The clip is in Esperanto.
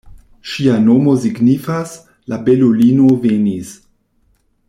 Ŝia nomo signifas ""La belulino venis"".